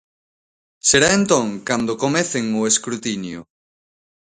Será entón cando comecen o escrutinio.